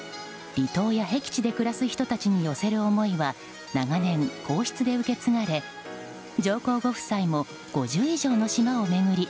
離島や僻地で暮らす人たちに寄せる思いは長年、皇室で受け継がれ上皇ご夫妻も５０以上の島を巡り